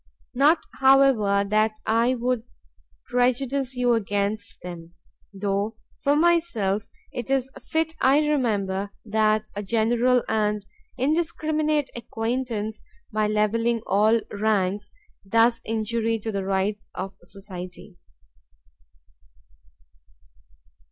Not, however, that I would prejudice you against them; though, for myself, it is fit I remember that a general and indiscriminate acquaintance, by levelling all ranks, does injury to the rites of society."